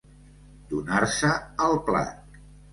Donar-se al plat.